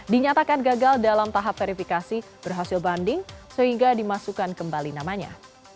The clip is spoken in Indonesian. dinyatakan gagal dalam tahap verifikasi berhasil banding sehingga dimasukkan kembali namanya